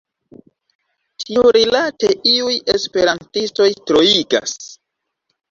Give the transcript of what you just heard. Tiurilate iuj esperantistoj troigas.